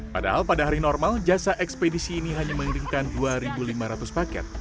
padahal pada hari normal jasa ekspedisi ini hanya mengirimkan dua lima ratus paket